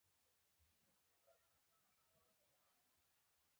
د سید نور محمد شاه مذاکرات تر ډېره بریالي وو.